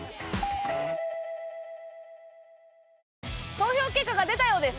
投票結果が出たようです。